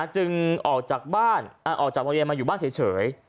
จึงออกจากโรงเรียนมาอยู่บ้านเฉย